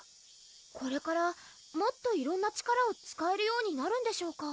これからもっと色んな力を使えるようになるんでしょうか？